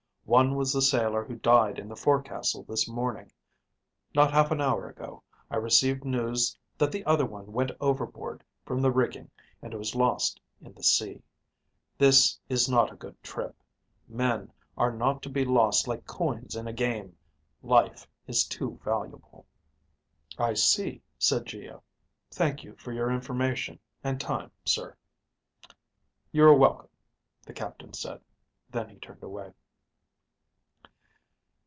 One was the sailor who died in the forecastle this morning. Not half an hour ago, I received news that the other one went overboard from the rigging and was lost in the sea. This is not a good trip. Men are not to be lost like coins in a game. Life is too valuable." "I see," said Geo. "Thank you for your information and time, sir." "You are welcome," the captain said. Then he turned away.